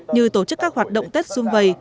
như tổ chức các hoạt động tết xuân vầy